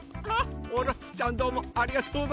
オロチちゃんどうもありがとうございました！